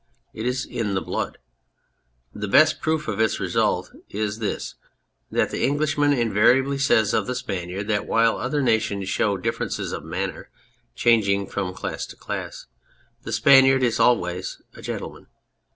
It is in the blood. The best proof of its result is this, that the English man invariably says of the Spaniard that, while other nations show differences of manner changing from class to class, the Spaniard is always a " gentleman."